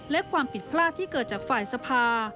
และความผิดพลาดที่เกิดจากฝ่ายสภา